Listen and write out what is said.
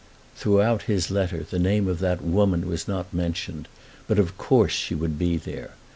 Throughout his letter the name of that woman was not mentioned, but of course she would be there.